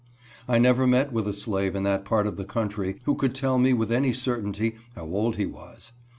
I never met with a slave in that part of the country who could tell me with any certainty how old he was.